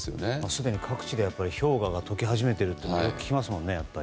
すでに各地で氷河が解け始めているとよく聞きますもんね。